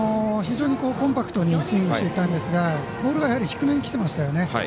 非常にコンパクトにスイングしていたんですがボールが低めにきてましたよね。